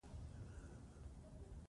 بامیان د افغانستان د اقتصاد برخه ده.